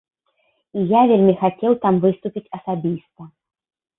І я вельмі хацеў там выступіць асабіста.